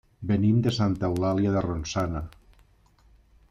Venim de Santa Eulàlia de Ronçana.